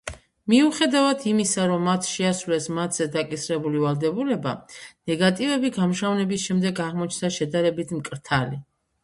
მიუხედავად იმისა რომ მათ შეასრულეს მათზე დაკისრებული ვალდებულება, ნეგატივები გამჟღავნების შემდეგ აღმოჩნდა შედარებით მკრთალი.